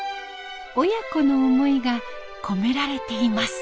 親子の思いが込められています。